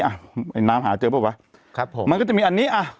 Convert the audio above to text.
ไอ้น้ำหาเจอเปล่าวะครับผมมันก็จะมีอันนี้อ่ะ